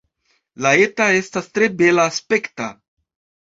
La eta estas tre bela-aspekta.